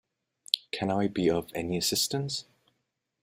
Can I be of any assistance?